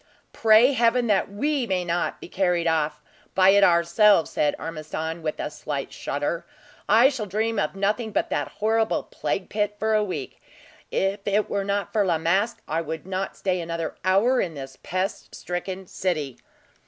"Pray Heaven that we may not be carried off by it ourselves!" said Ormiston, with a slight shudder. "I shall dream of nothing but that horrible plague pit for a week. If it were not for La Masque, I would not stay another hour in this pest stricken city."